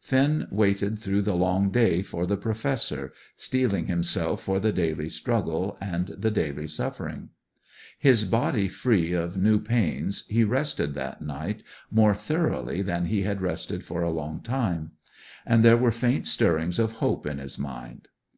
Finn waited through the long day for the Professor, steeling himself for the daily struggle and the daily suffering. His body free of new pains he rested that night more thoroughly than he had rested for a long time; and there were faint stirrings of hope in his mind.